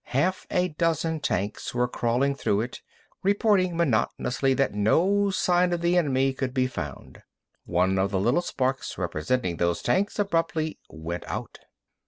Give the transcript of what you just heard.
Half a dozen tanks were crawling through it, reporting monotonously that no sign of the enemy could be found. One of the little sparks representing those tanks abruptly went out.